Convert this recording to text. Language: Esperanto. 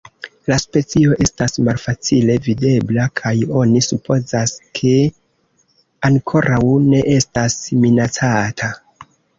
La specio estas malfacile videbla kaj oni supozas, ke ankoraŭ ne estas minacata.